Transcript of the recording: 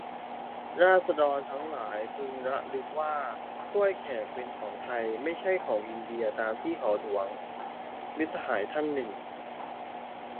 "ราษฎรทั้งหลายพึงระลึกว่า กล้วยแขกเป็นของไทย ไม่ใช่ของอินเดียตามที่เขาหลอกลวง" - มิตรสหายท่านหนึ่ง